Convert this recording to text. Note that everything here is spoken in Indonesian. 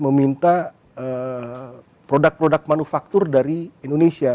meminta produk produk manufaktur dari indonesia